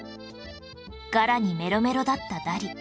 ガラにメロメロだったダリ